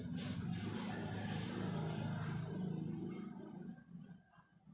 มีเวลาเมื่อเวลาเมื่อเวลา